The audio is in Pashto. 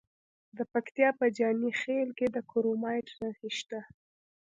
د پکتیا په جاني خیل کې د کرومایټ نښې شته.